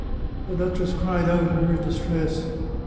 The duchess cried out in her distress.